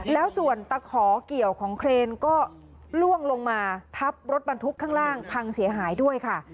แล้วส่วนตะขอเกี่ยวของเครนก็ล่วงลงมาทับรถบรรทุกข้างล่างพังเสียหายด้วยค่ะ